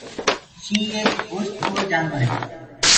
شيِنهيٚنَ ايڪ گوشتکور جآنور هي۔